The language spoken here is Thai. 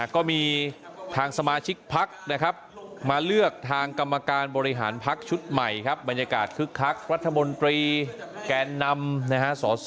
ก็มีทางสมาชิกพักนะครับมาเลือกทางกรรมการบริหารพักชุดใหม่ครับบรรยากาศคึกคักรัฐมนตรีแกนนำนะฮะ